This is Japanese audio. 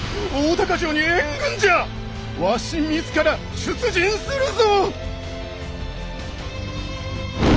わし自ら出陣するぞ！